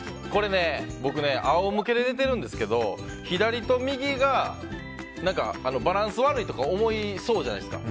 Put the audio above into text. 僕、あお向けで寝ているんですけど左と右がバランス悪いとか思いそうじゃないですか。